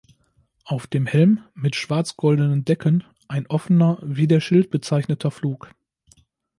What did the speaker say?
Auf dem Helm mit schwarz-goldenen Decken ein offener, wie der Schild bezeichneter Flug.